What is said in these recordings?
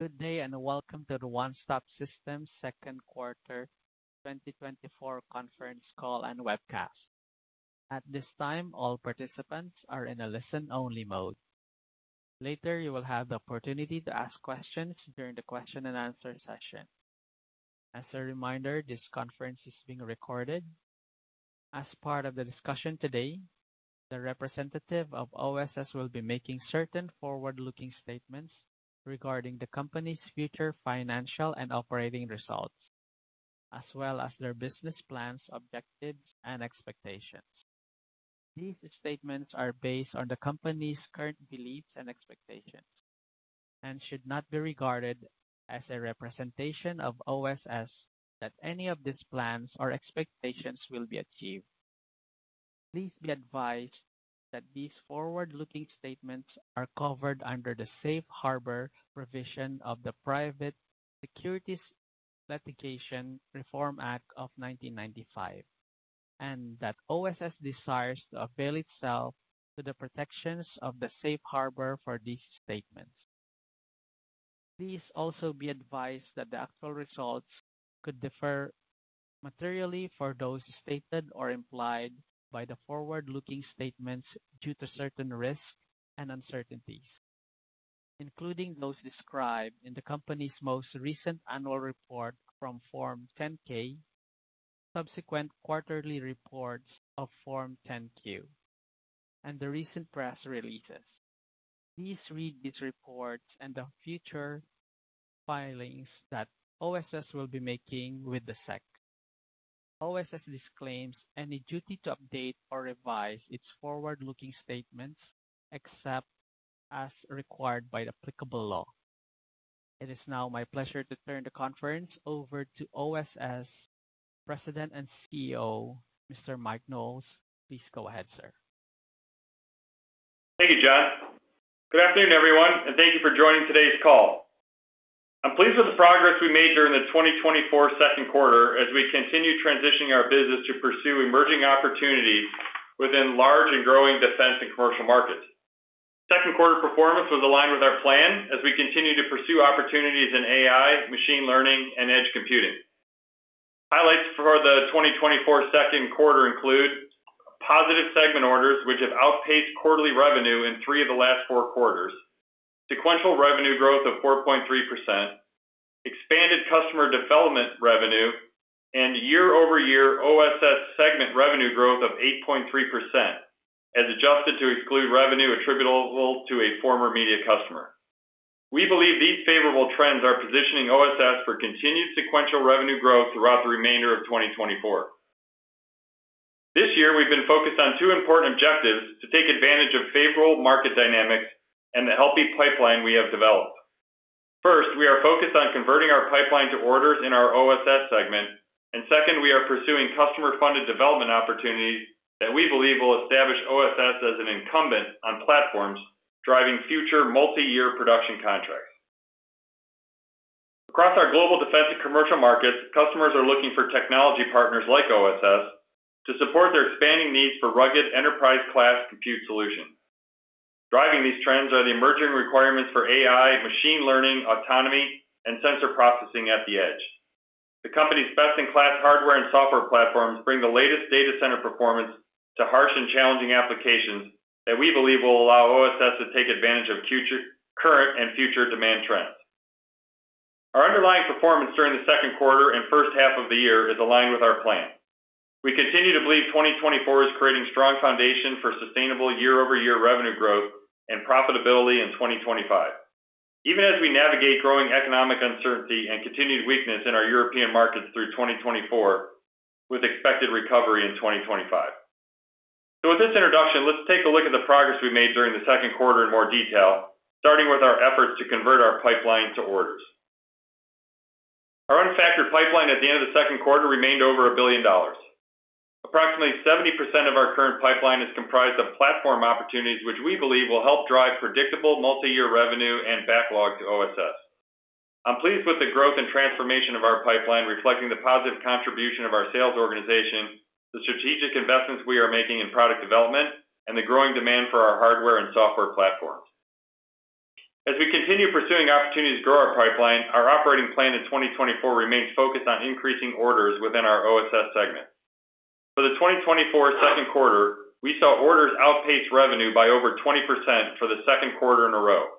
Good day, and welcome to the One Stop Systems Second Quarter 2024 Conference Call and Webcast. At this time, all participants are in a listen-only mode. Later, you will have the opportunity to ask questions during the question and answer session. As a reminder, this conference is being recorded. As part of the discussion today, the representative of OSS will be making certain forward-looking statements regarding the company's future financial and operating results, as well as their business plans, objectives, and expectations. These statements are based on the company's current beliefs and expectations and should not be regarded as a representation of OSS that any of these plans or expectations will be achieved. Please be advised that these forward-looking statements are covered under the Safe Harbor provision of the Private Securities Litigation Reform Act of 1995, and that OSS desires to avail itself to the protections of the Safe Harbor for these statements. Please also be advised that the actual results could differ materially from those stated or implied by the forward-looking statements due to certain risks and uncertainties, including those described in the company's most recent annual report from Form 10-K, subsequent quarterly reports of Form 10-Q, and the recent press releases. Please read these reports and the future filings that OSS will be making with the SEC. OSS disclaims any duty to update or revise its forward-looking statements except as required by applicable law. It is now my pleasure to turn the conference over to OSS President and CEO, Mr. Mike Knowles. Please go ahead, sir. Thank you, John. Good afternoon, everyone, and thank you for joining today's call. I'm pleased with the progress we made during the 2024 second quarter as we continue transitioning our business to pursue emerging opportunities within large and growing defense and commercial markets. Second quarter performance was aligned with our plan as we continue to pursue opportunities in AI, machine learning, and edge computing. Highlights for the 2024 second quarter include positive segment orders, which have outpaced quarterly revenue in three of the last four quarters, sequential revenue growth of 4.3%, expanded customer development revenue, and year-over-year OSS segment revenue growth of 8.3%, as adjusted to exclude revenue attributable to a former media customer. We believe these favorable trends are positioning OSS for continued sequential revenue growth throughout the remainder of 2024. This year, we've been focused on two important objectives to take advantage of favorable market dynamics and the healthy pipeline we have developed. First, we are focused on converting our pipeline to orders in our OSS segment, and second, we are pursuing customer-funded development opportunities that we believe will establish OSS as an incumbent on platforms driving future multi-year production contracts. Across our global defense and commercial markets, customers are looking for technology partners like OSS to support their expanding needs for rugged enterprise-class compute solutions. Driving these trends are the emerging requirements for AI, machine learning, autonomy, and sensor processing at the edge. The company's best-in-class hardware and software platforms bring the latest data center performance to harsh and challenging applications that we believe will allow OSS to take advantage of future, current, and future demand trends. Our underlying performance during the second quarter and first half of the year is aligned with our plan. We continue to believe 2024 is creating strong foundation for sustainable year-over-year revenue growth and profitability in 2025, even as we navigate growing economic uncertainty and continued weakness in our European markets through 2024, with expected recovery in 2025. So with this introduction, let's take a look at the progress we made during the second quarter in more detail, starting with our efforts to convert our pipeline to orders. Our unfactored pipeline at the end of the second quarter remained over $1 billion. Approximately 70% of our current pipeline is comprised of platform opportunities, which we believe will help drive predictable multi-year revenue and backlog to OSS. I'm pleased with the growth and transformation of our pipeline, reflecting the positive contribution of our sales organization, the strategic investments we are making in product development, and the growing demand for our hardware and software platforms. As we continue pursuing opportunities to grow our pipeline, our operating plan in 2024 remains focused on increasing orders within our OSS segment. For the 2024 second quarter, we saw orders outpace revenue by over 20% for the second quarter in a row.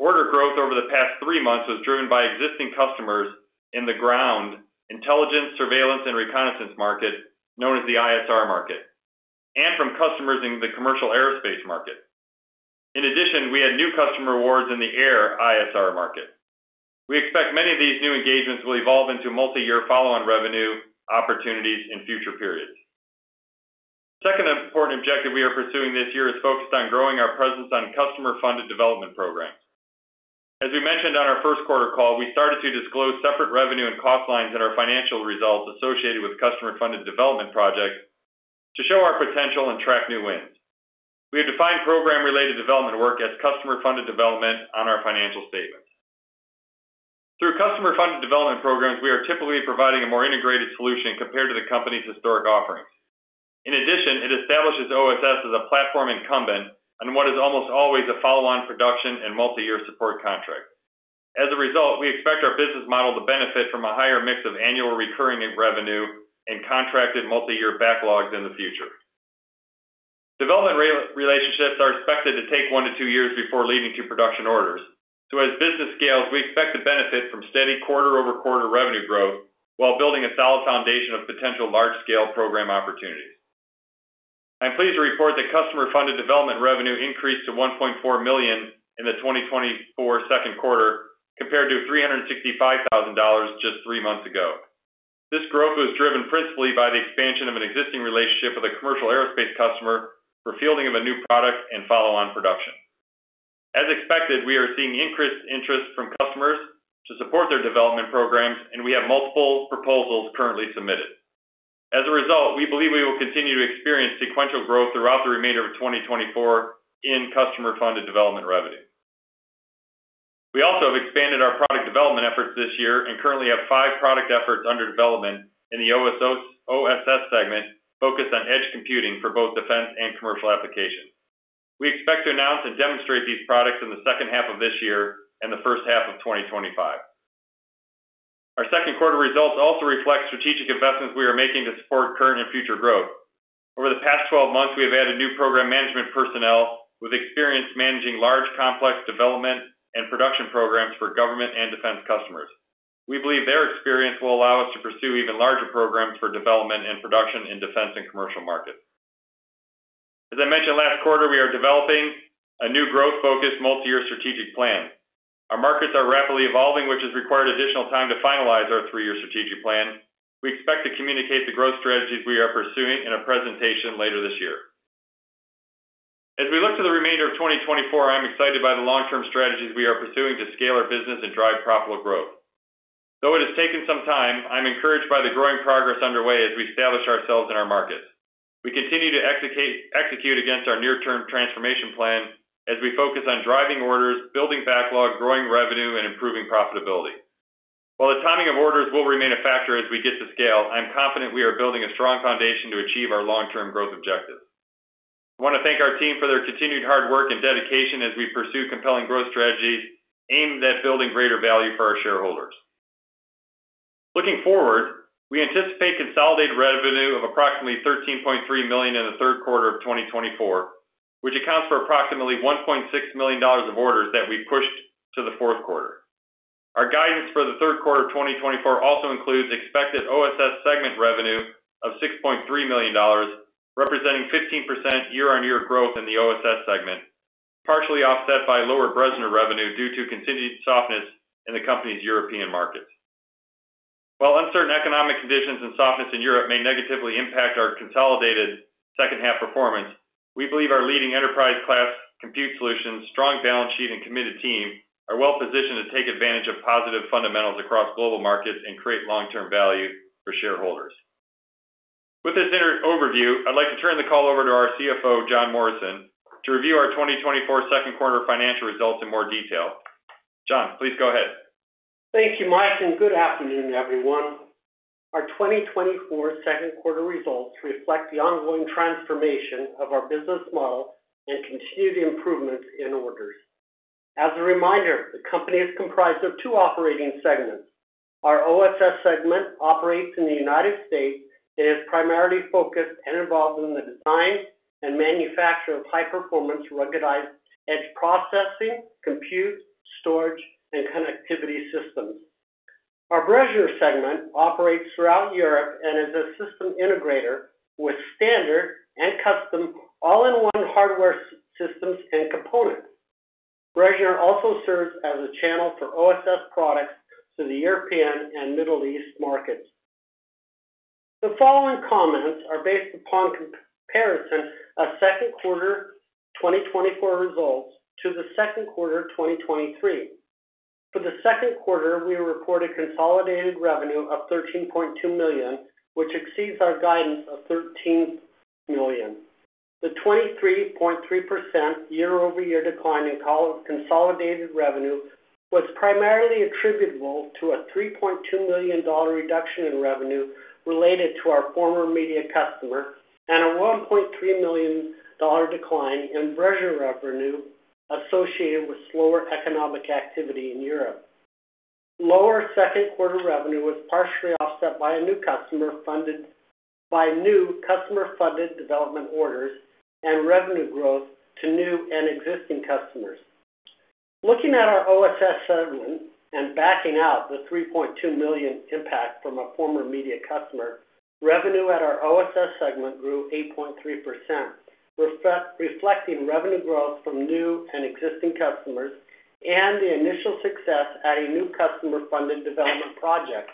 Order growth over the past three months was driven by existing customers in the ground, intelligence, surveillance, and reconnaissance market, known as the ISR market, and from customers in the commercial aerospace market. In addition, we had new customer awards in the air ISR market. We expect many of these new engagements will evolve into multi-year follow-on revenue opportunities in future periods. The second important objective we are pursuing this year is focused on growing our presence on customer-funded development programs. As we mentioned on our first quarter call, we started to disclose separate revenue and cost lines in our financial results associated with customer-funded development projects to show our potential and track new wins. We have defined program-related development work as customer-funded development on our financial statements... Through customer-funded development programs, we are typically providing a more integrated solution compared to the company's historic offerings. In addition, it establishes OSS as a platform incumbent on what is almost always a follow-on production and multi-year support contract. As a result, we expect our business model to benefit from a higher mix of annual recurring revenue and contracted multi-year backlogs in the future. Development relationships are expected to take 1-2 years before leading to production orders. So as business scales, we expect to benefit from steady quarter-over-quarter revenue growth while building a solid foundation of potential large-scale program opportunities. I'm pleased to report that customer-funded development revenue increased to $1.4 million in the 2024 second quarter, compared to $365,000 just three months ago. This growth was driven principally by the expansion of an existing relationship with a commercial aerospace customer for fielding of a new product and follow-on production. As expected, we are seeing increased interest from customers to support their development programs, and we have multiple proposals currently submitted. As a result, we believe we will continue to experience sequential growth throughout the remainder of 2024 in customer-funded development revenue. We also have expanded our product development efforts this year and currently have five product efforts under development in the OSS, OSS segment focused on edge computing for both defense and commercial applications. We expect to announce and demonstrate these products in the second half of this year and the first half of 2025. Our second quarter results also reflect strategic investments we are making to support current and future growth. Over the past 12 months, we have added new program management personnel with experience managing large, complex development and production programs for government and defense customers. We believe their experience will allow us to pursue even larger programs for development and production in defense and commercial markets. As I mentioned last quarter, we are developing a new growth-focused, multi-year strategic plan. Our markets are rapidly evolving, which has required additional time to finalize our three-year strategic plan. We expect to communicate the growth strategies we are pursuing in a presentation later this year. As we look to the remainder of 2024, I'm excited by the long-term strategies we are pursuing to scale our business and drive profitable growth. Though it has taken some time, I'm encouraged by the growing progress underway as we establish ourselves in our markets. We continue to execute against our near-term transformation plan as we focus on driving orders, building backlog, growing revenue, and improving profitability. While the timing of orders will remain a factor as we get to scale, I'm confident we are building a strong foundation to achieve our long-term growth objectives. I want to thank our team for their continued hard work and dedication as we pursue compelling growth strategies aimed at building greater value for our shareholders. Looking forward, we anticipate consolidated revenue of approximately $13.3 million in the third quarter of 2024, which accounts for approximately $1.6 million of orders that we pushed to the fourth quarter. Our guidance for the third quarter of 2024 also includes expected OSS segment revenue of $6.3 million, representing 15% year-on-year growth in the OSS segment, partially offset by lower Bressner revenue due to continued softness in the company's European markets. While uncertain economic conditions and softness in Europe may negatively impact our consolidated second-half performance, we believe our leading enterprise-class compute solutions, strong balance sheet, and committed team are well positioned to take advantage of positive fundamentals across global markets and create long-term value for shareholders. With this intro overview, I'd like to turn the call over to our CFO, John Morrison, to review our 2024 second quarter financial results in more detail. John, please go ahead. Thank you, Mike, and good afternoon, everyone. Our 2024 second quarter results reflect the ongoing transformation of our business model and continued improvements in orders. As a reminder, the company is comprised of two operating segments. Our OSS segment operates in the United States and is primarily focused and involved in the design and manufacture of high-performance, ruggedized edge processing, compute, storage, and connectivity systems. Our Bressner segment operates throughout Europe and is a system integrator with standard and custom all-in-one hardware systems and components. Bressner also serves as a channel for OSS products to the European and Middle East markets. The following comments are based upon comparison of second quarter 2024 results to the second quarter of 2023. For the second quarter, we reported consolidated revenue of $13.2 million, which exceeds our guidance of $13 million. The 23.3% year-over-year decline in consolidated revenue was primarily attributable to a $3.2 million reduction in revenue related to our former media customer and a $1.3 million decline in Bressner revenue associated with slower economic activity in Europe. Lower second-quarter revenue was partially offset by a new customer, funded by new customer-funded development orders and revenue growth to new and existing customers. Looking at our OSS segment and backing out the $3.2 million impact from a former media customer, revenue at our OSS segment grew 8.3%, reflecting revenue growth from new and existing customers and the initial success at a new customer-funded development project.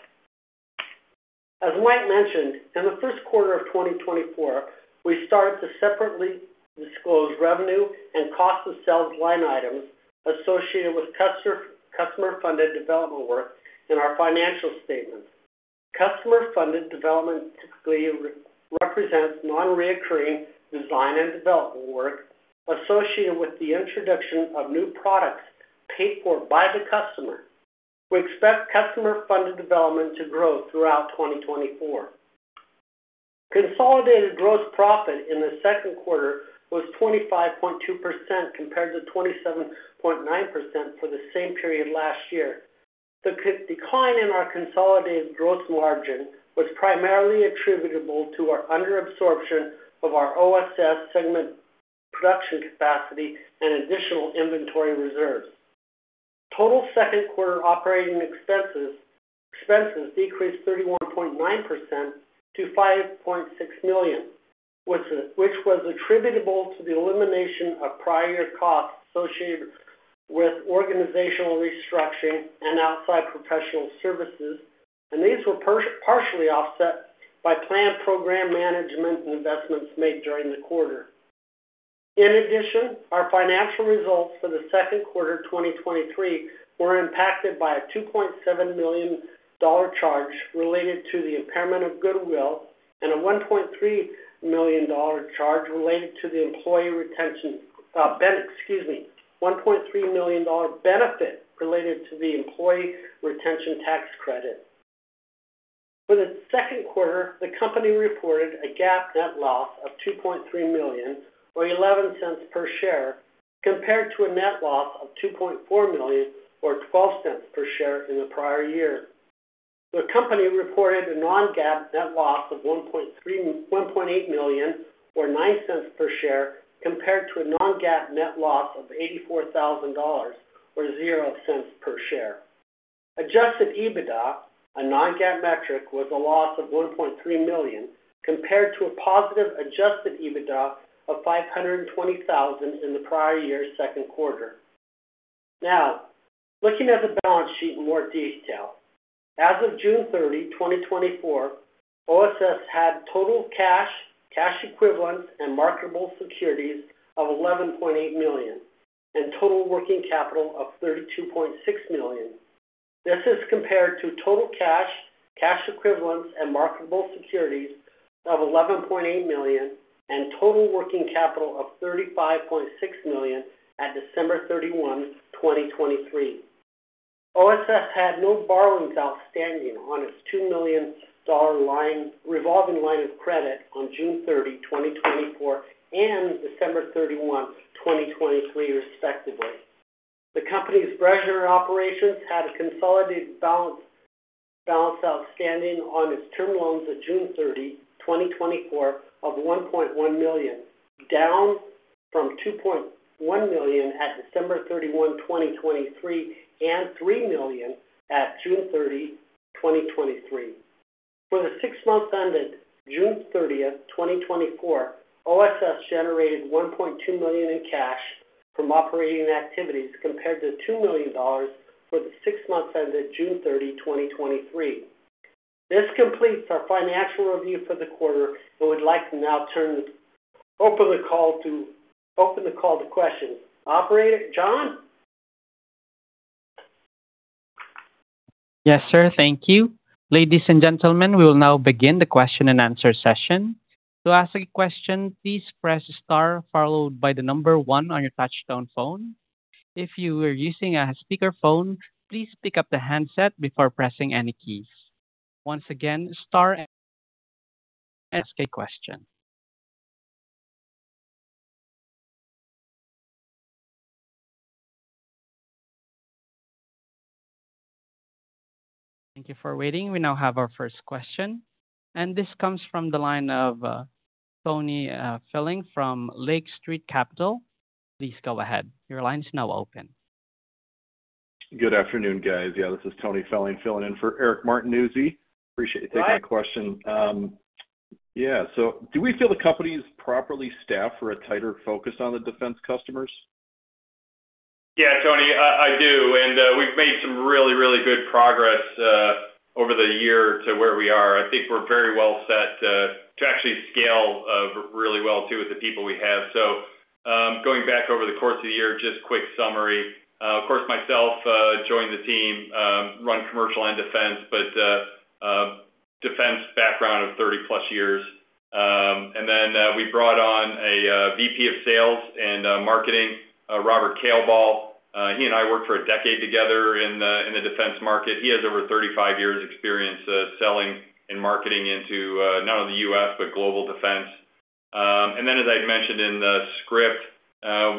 As Mike mentioned, in the first quarter of 2024, we started to separately disclose revenue and cost of sales line items associated with customer-funded development work in our financial statements. Customer-funded development typically represents non-recurring design and development work associated with the introduction of new products paid for by the customer. We expect customer-funded development to grow throughout 2024. Consolidated gross profit in the second quarter was 25.2%, compared to 27.9% for the same period last year. The decline in our consolidated gross margin was primarily attributable to our under absorption of our OSS segment production capacity and additional inventory reserves. Total second quarter operating expenses decreased 31.9% to $5.6 million, which was attributable to the elimination of prior costs associated with organizational restructuring and outside professional services, and these were partially offset by planned program management and investments made during the quarter. In addition, our financial results for the second quarter, 2023, were impacted by a $2.7 million charge related to the impairment of goodwill and a $1.3 million benefit related to the employee retention tax credit. For the second quarter, the company reported a GAAP net loss of $2.3 million, or $0.11 per share, compared to a net loss of $2.4 million, or $0.12 per share in the prior year. The company reported a non-GAAP net loss of $1.8 million, or $0.09 per share, compared to a non-GAAP net loss of $84,000, or $0.00 per share. Adjusted EBITDA, a non-GAAP metric, was a loss of $1.3 million, compared to a positive adjusted EBITDA of $520,000 in the prior year's second quarter. Now, looking at the balance sheet in more detail. As of June 30, 2024, OSS had total cash, cash equivalents, and marketable securities of $11.8 million, and total working capital of $32.6 million. This is compared to total cash, cash equivalents, and marketable securities of $11.8 million, and total working capital of $35.6 million at December 31, 2023. OSS had no borrowings outstanding on its $2 million revolving line of credit on June 30, 2024, and December 31, 2023, respectively. The company's treasury operations had a consolidated balance outstanding on its term loans of June 30, 2024, of $1.1 million, down from $2.1 million at December 31, 2023, and $3 million at June 30, 2023. For the six months ended June 30th, 2024, OSS generated $1.2 million in cash from operating activities, compared to $2 million for the six months ended June 30, 2023. This completes our financial review for the quarter, and we'd like to now open the call to questions. Operator, John? Yes, sir. Thank you. Ladies and gentlemen, we will now begin the question-and-answer session. To ask a question, please press star followed by the number one on your touchtone phone. If you are using a speakerphone, please pick up the handset before pressing any keys. Once again, star, ask a question. Thank you for waiting. We now have our first question, and this comes from the line of Tony Felling from Lake Street Capital Markets. Please go ahead. Your line is now open. Good afternoon, guys. Yeah, this is Tony Felling filling in for Eric Martinuzzi. Appreciate it. Hi. Taking a question. Yeah, so do we feel the company is properly staffed for a tighter focus on the defense customers? Yeah, Tony, I do, and we've made some really, really good progress over the year to where we are. I think we're very well set to actually scale really well, too, with the people we have. So, going back over the course of the year, just quick summary. Of course, myself joined the team run commercial and defense, but defense background of 30+ years. And then, we brought on a VP of sales and marketing, Robert Kalebaugh. He and I worked for a decade together in the defense market. He has over 35 years experience selling and marketing into not only the U.S., but global defense. And then, as I mentioned in the script,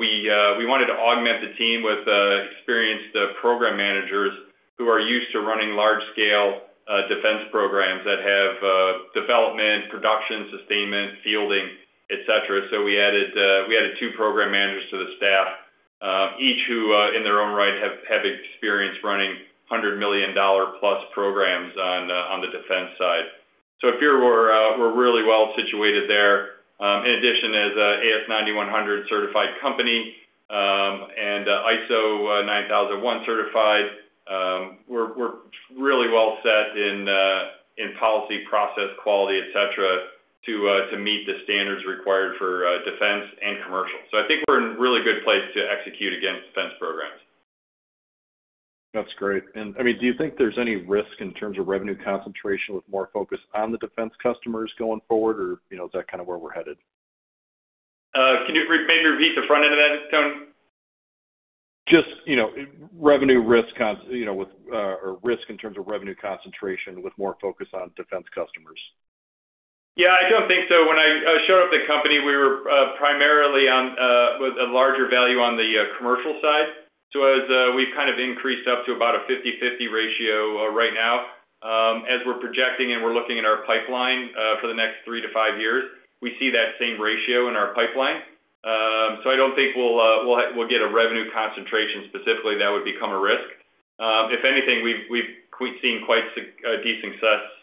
we wanted to augment the team with experienced program managers who are used to running large-scale defense programs that have development, production, sustainment, fielding, et cetera. So we added two program managers to the staff, each who, in their own right, have experience running $100 million-plus programs on the defense side. So I feel we're really well situated there. In addition, as a AS9100 certified company, and ISO 9001 certified, we're really well set in policy, process, quality, et cetera, to meet the standards required for defense and commercial. So I think we're in a really good place to execute against defense programs.... That's great. And, I mean, do you think there's any risk in terms of revenue concentration with more focus on the defense customers going forward, or, you know, is that kind of where we're headed? Can you maybe repeat the front end of that, Tony? Just, you know, revenue risk—you know, with or risk in terms of revenue concentration with more focus on defense customers. Yeah, I don't think so. When I showed up at the company, we were primarily with a larger value on the commercial side. So as we've kind of increased up to about a 50/50 ratio right now. As we're projecting and we're looking at our pipeline for the next 3-5 years, we see that same ratio in our pipeline. So I don't think we'll get a revenue concentration specifically that would become a risk. If anything, we've seen quite a decent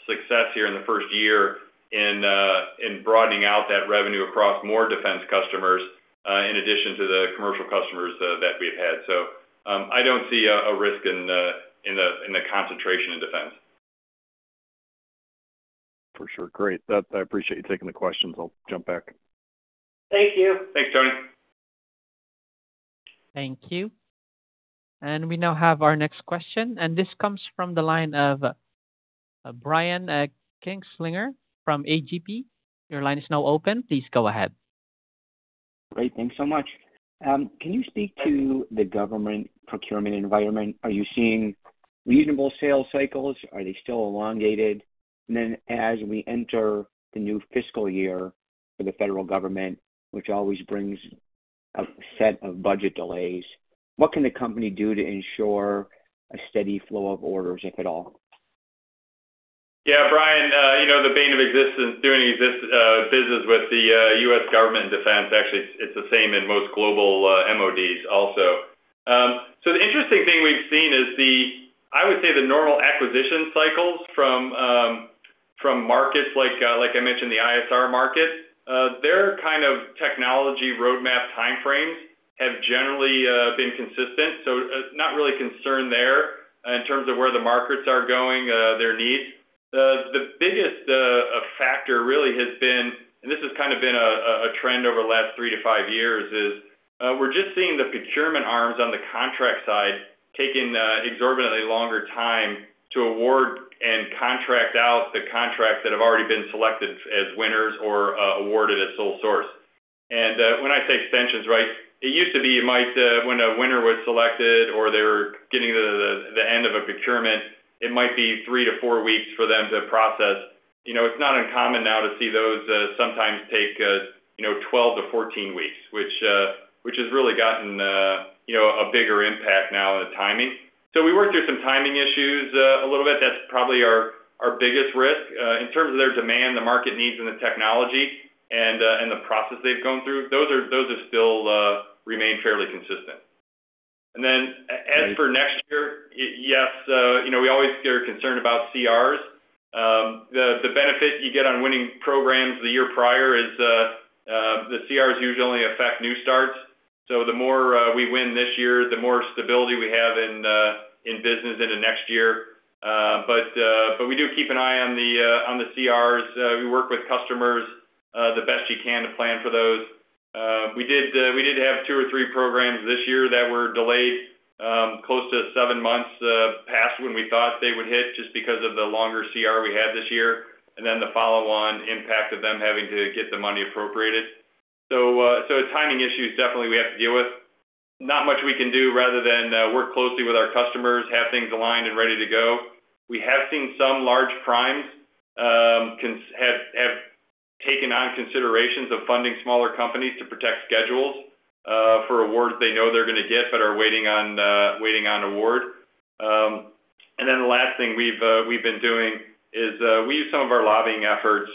success here in the first year in broadening out that revenue across more defense customers in addition to the commercial customers that we've had. So I don't see a risk in the concentration in defense. For sure. Great. That - I appreciate you taking the questions. I'll jump back. Thank you. Thanks, Tony. Thank you. And we now have our next question, and this comes from the line of Brian Kinstlinger from AGP. Your line is now open. Please go ahead. Great, thanks so much. Can you speak to the government procurement environment? Are you seeing reasonable sales cycles? Are they still elongated? And then as we enter the new fiscal year for the federal government, which always brings a set of budget delays, what can the company do to ensure a steady flow of orders, if at all? Yeah, Brian, you know, the bane of existence, doing business with the U.S. government defense, actually, it's the same in most global MODs also. So the interesting thing we've seen is, I would say, the normal acquisition cycles from markets like, like I mentioned, the ISR market, their kind of technology roadmap timeframes have generally been consistent, so not really concerned there in terms of where the markets are going, their needs. The biggest factor really has been, and this has kind of been a trend over the last three to five years, is we're just seeing the procurement arms on the contract side taking exorbitantly longer time to award and contract out the contracts that have already been selected as winners or awarded as sole source. When I say extensions, right, it used to be when a winner was selected or they were getting to the end of a procurement, it might be 3-4 weeks for them to process. You know, it's not uncommon now to see those sometimes take you know 12-14 weeks, which has really gotten you know a bigger impact now on the timing. So we worked through some timing issues a little bit. That's probably our biggest risk. In terms of their demand, the market needs and the technology and the process they've gone through, those are still remain fairly consistent. And then a- Great. As for next year, yes, you know, we always are concerned about CRs. The benefit you get on winning programs the year prior is the CRs usually only affect new starts. So the more we win this year, the more stability we have in business into next year. But, but we do keep an eye on the CRs. We work with customers the best you can to plan for those. We did have two or three programs this year that were delayed close to seven months past when we thought they would hit, just because of the longer CR we had this year, and then the follow-on impact of them having to get the money appropriated. So timing issues, definitely we have to deal with. Not much we can do rather than work closely with our customers, have things aligned and ready to go. We have seen some large primes have taken on considerations of funding smaller companies to protect schedules for awards they know they're gonna get but are waiting on award. And then the last thing we've been doing is we use some of our lobbying efforts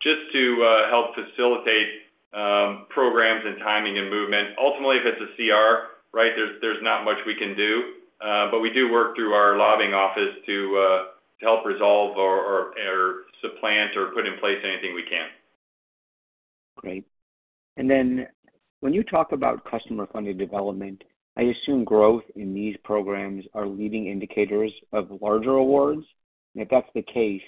just to help facilitate programs and timing and movement. Ultimately, if it's a CR, right, there's not much we can do but we do work through our lobbying office to help resolve or supplant or put in place anything we can. Great. And then when you talk about customer-funded development, I assume growth in these programs are leading indicators of larger awards. And if that's the case,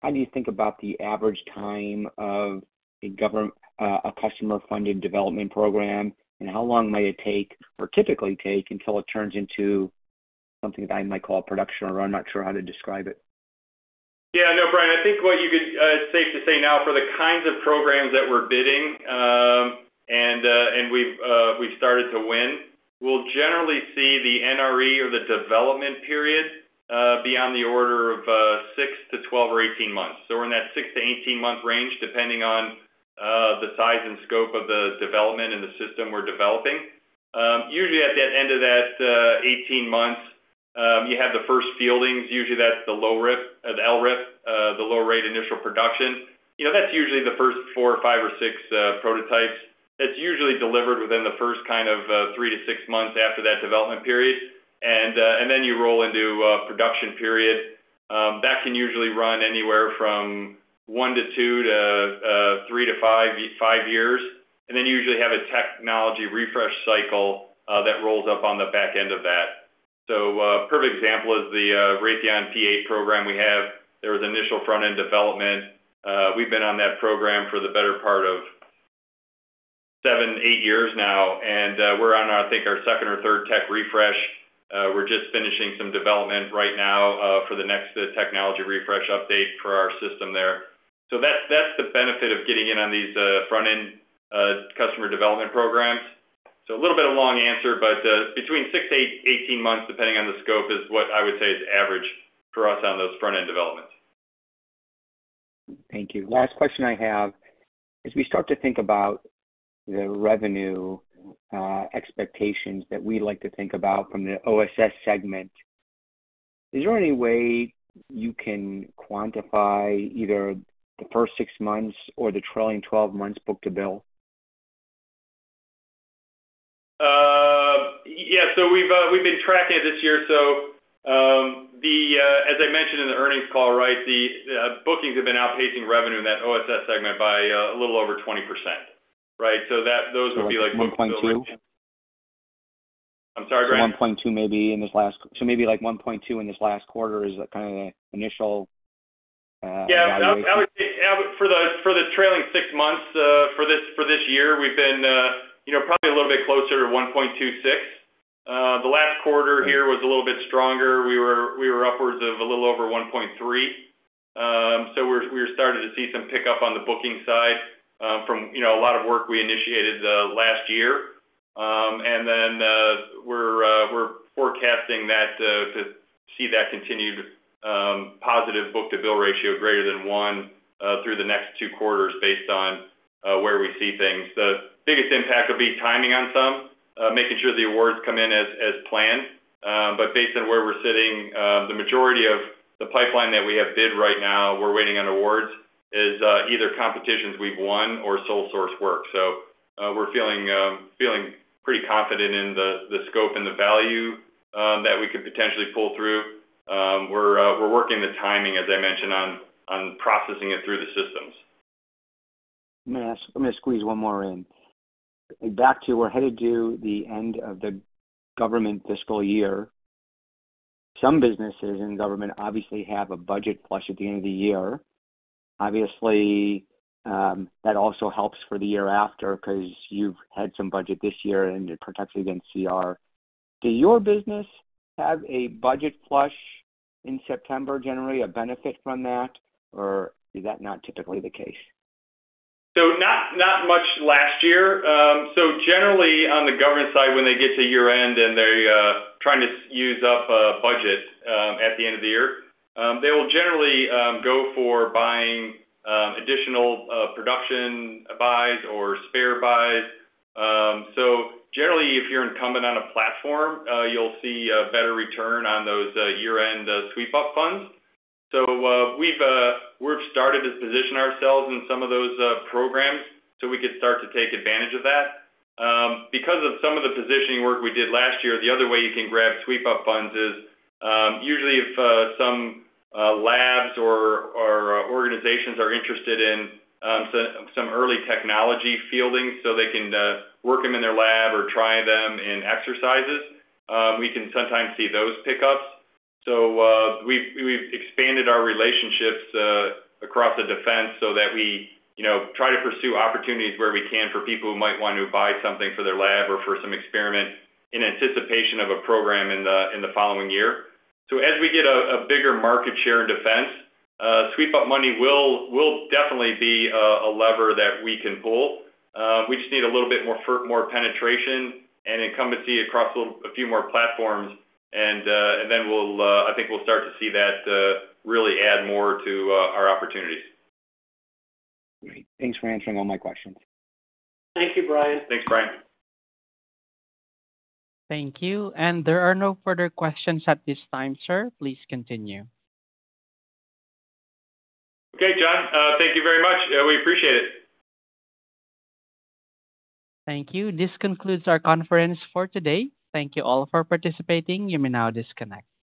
how do you think about the average time of a government, a customer-funded development program? And how long might it take or typically take until it turns into something that I might call production, or I'm not sure how to describe it? Yeah, no, Brian, I think what you could, it's safe to say now, for the kinds of programs that we're bidding, and we've started to win, we'll generally see the NRE or the development period be on the order of 6-12 or 18 months. So we're in that 6-18-month range, depending on the size and scope of the development and the system we're developing. Usually at the end of that 18 months, you have the first fieldings. Usually that's the LRIP, the Low Rate Initial Production. You know, that's usually the first 4 or 5 or 6 prototypes. That's usually delivered within the first kind of 3-6 months after that development period. And then you roll into a production period. That can usually run anywhere from 1-2 to 3-5 years, and then you usually have a technology refresh cycle that rolls up on the back end of that. So, perfect example is the Raytheon P-8 program we have. There was initial front-end development. We've been on that program for the better part of 7-8 years now, and, we're on, I think, our second or third tech refresh. We're just finishing some development right now for the next technology refresh update for our system there. So that's, that's the benefit of getting in on these front-end customer development programs. So a little bit of a long answer, but, between 6-18 months, depending on the scope, is what I would say is average for us on those front-end developments. Thank you. Last question I have, as we start to think about the revenue, expectations that we like to think about from the OSS segment, is there any way you can quantify either the first 6 months or the trailing 12 months book-to-bill? Yeah, so we've been tracking it this year, so, as I mentioned in the earnings call, right, the bookings have been outpacing revenue in that OSS segment by a little over 20%, right? So that—those would be, like— 1.2? I'm sorry, Brian. 1.2, maybe, in this last... So maybe like 1.2 in this last quarter is kind of the initial evaluation. Yeah. I would for the trailing six months for this year, we've been, you know, probably a little bit closer to 1.26. The last quarter here was a little bit stronger. We were upwards of a little over 1.3. So we're starting to see some pickup on the booking side from, you know, a lot of work we initiated last year. And then, we're forecasting that to see that continued positive Book-to-Bill ratio greater than 1 through the next two quarters, based on where we see things. The biggest impact will be timing on some making sure the awards come in as planned. But based on where we're sitting, the majority of the pipeline that we have bid right now, we're waiting on awards, is either competitions we've won or sole source work. So, we're feeling pretty confident in the scope and the value that we could potentially pull through. We're working the timing, as I mentioned, on processing it through the systems. I'm gonna ask- I'm gonna squeeze one more in. Back to we're headed to the end of the government fiscal year. Some businesses in government obviously have a budget flush at the end of the year. Obviously, that also helps for the year after, 'cause you've had some budget this year, and it protects you against CR. Do your business have a budget flush in September, generally, a benefit from that, or is that not typically the case? So not much last year. So generally, on the government side, when they get to year-end and they're trying to use up budget at the end of the year, they will generally go for buying additional production buys or spare buys. So generally, if you're incumbent on a platform, you'll see a better return on those year-end sweep-up funds. So, we've started to position ourselves in some of those programs, so we could start to take advantage of that. Because of some of the positioning work we did last year, the other way you can grab sweep-up funds is usually if some labs or organizations are interested in some early technology fielding, so they can work them in their lab or try them in exercises, we can sometimes see those pick-ups. So, we've expanded our relationships across the defense so that we, you know, try to pursue opportunities where we can for people who might want to buy something for their lab or for some experiment in anticipation of a program in the following year. So as we get a bigger market share in defense, sweep-up money will definitely be a lever that we can pull. We just need a little bit more penetration and incumbency across a few more platforms, and, and then we'll, I think we'll start to see that really add more to our opportunities. Great. Thanks for answering all my questions. Thank you, Brian. Thanks, Brian. Thank you, and there are no further questions at this time, sir. Please continue. Okay, John, thank you very much. We appreciate it. Thank you. This concludes our conference for today. Thank you all for participating. You may now disconnect.